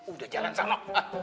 udah jalan sama